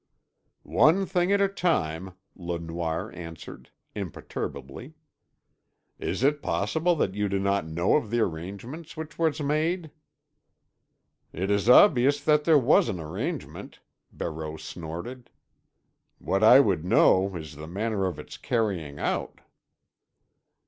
"One thing at a time," Le Noir answered imperturbably. "Is it possible that you do not know of the arrangement which was made?" "It is obvious that there was an arrangement," Barreau snorted. "What I would know is the manner of its carrying out."